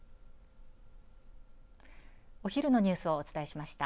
お昼のニュースをお伝えしました。